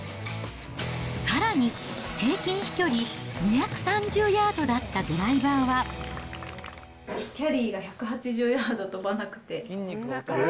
さらに、平均飛距離２３０ヤードだったキャリーが１８０ヤード飛ばなくて。